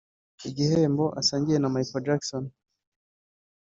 igihembo asangiye na Michael Jackson